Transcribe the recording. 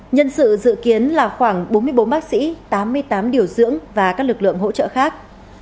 nhân sự dự kiến là khoảng bốn mươi bốn bác sĩ tám mươi tám điều dưỡng và các lực lượng hỗ trợ khác